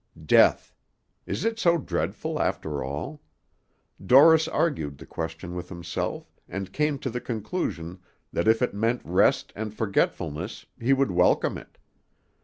Death! Is it so dreadful, after all? Dorris argued the question with himself, and came to the conclusion that if it meant rest and forgetfulness he would welcome it.